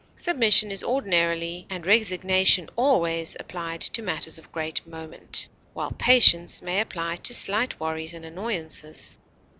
Submission is ordinarily and resignation always applied to matters of great moment, while patience may apply to slight worries and annoyances.